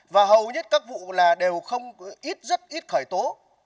và hầu hết các vụ là đều không ít rất ít khởi tố